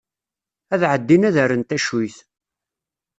Ad ɛeddin ad rren tacuyt.